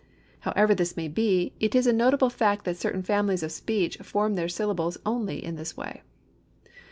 However this may be, it is a notable fact that certain families of speech form their syllables only in this way.